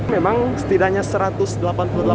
memang setidaknya e sport ini akan diperbolehkan